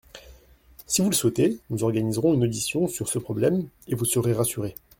Si vous le souhaitez, nous organiserons une audition sur ce problème et vous serez rassurés.